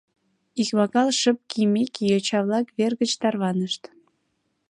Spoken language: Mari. Икмагал шып кийымеке, йоча-влак вер гыч тарванышт.